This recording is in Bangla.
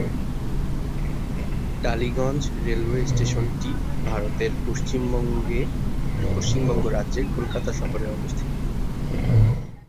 টালিগঞ্জ রেলওয়ে স্টেশনটি ভারতের পশ্চিমবঙ্গ রাজ্যের কলকাতা শহরে অবস্থিত।